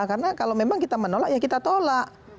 karena kalau memang kita menolak ya kita tolak